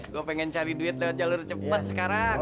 gue pengen cari duit lewat jalur cepat sekarang